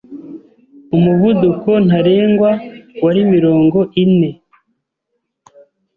Umuvuduko ntarengwa wari mirongo ine mph.